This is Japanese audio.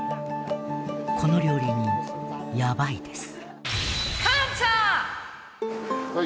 この料理人やばいです。